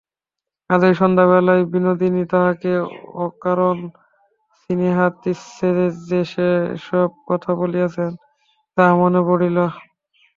আজই সন্ধ্যাবেলায় বিনোদিনী তাহাকে অকারণ স্নেহাতিশয্যে যে-সব কথা বলিয়াছিল, তাহা মনে পড়িল।